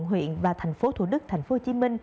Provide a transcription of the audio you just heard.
huyện và tp thủ đức tp hcm